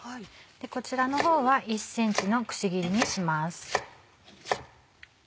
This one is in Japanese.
こちらの方は１ｃｍのくし切りにします。